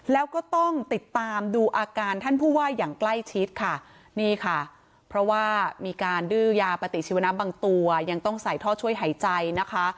แล้วก็ต้องติดตามดูอาการท่านผู้ว่าอย่างใกล้ชิดค่ะนี่ค่ะเพราะว่ามีการดื้อยาปฏิชีวนะบางตัวยังต้องใส่ท่อช่วยหายใจนะคะ